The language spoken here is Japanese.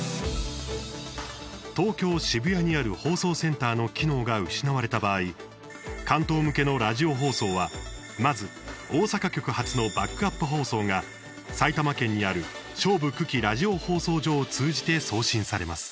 東京・渋谷にある放送センターの機能が失われた場合関東向けのラジオ放送はまず大阪局発のバックアップ放送が埼玉県にある菖蒲久喜ラジオ放送所を通じて送信されます。